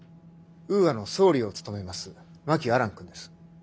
ウーアの総理を務めます真木亜蘭君です。